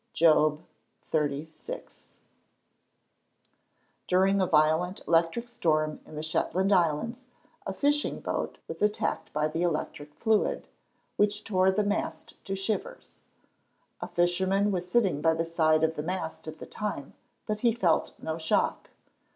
JOB XXXVI.] During a violent electric storm in the Shetland Islands, a fishing boat was attacked by the electric fluid, which tore the mast to shivers. A fisherman was sitting by the side of the mast at the time, but he felt no shock.